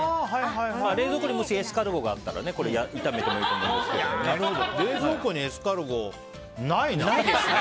冷蔵庫にもしエスカルゴがあったら冷蔵庫にエスカルゴないな。